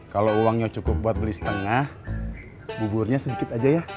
kalau uangnya cukup buat beli setengah buburnya sedikit aja ya